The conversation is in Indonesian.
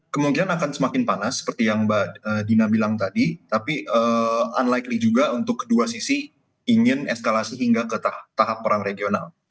kemungkinan akan semakin panas seperti yang mbak dina bilang tadi tapi unlikely juga untuk kedua sisi ingin eskalasi hingga ke tahap perang regional